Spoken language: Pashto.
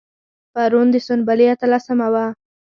پرون د سنبلې اتلسمه وه.